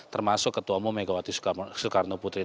termasuk ketua umum megawati soekarnopuntri